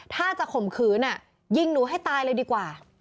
ถ้าจะข่มขืนยิงหนูให้ตายเลยดีกว่า